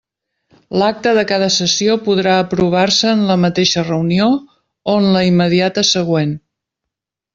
L'acta de cada sessió podrà aprovar-se en la mateixa reunió o en la immediata següent.